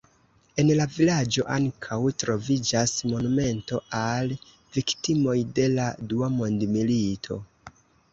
En la vilaĝo ankaŭ troviĝas monumento al viktimoj de la dua mondmilito.